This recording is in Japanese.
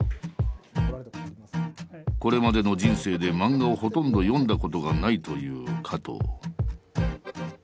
これまでの人生で漫画をほとんど読んだことがないという加藤。